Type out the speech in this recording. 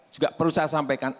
juga perlu saya sampaikan